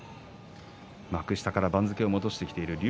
幕下から番付を戻してきている竜